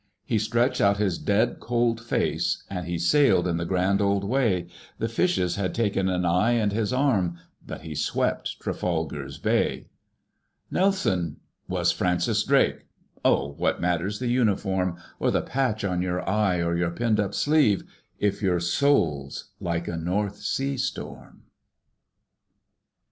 "He stretched out his dead cold face And he sailed in the grand old way! The fishes had taken an eye and his arm, But he swept Trafalgar's Bay. "Nelson was Francis Drake! O, what matters the uniform, Or the patch on your eye or your pinned up sleeve, If your soul's like a North Sea storm?"